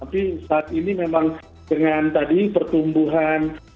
tapi saat ini memang dengan tadi pertumbuhan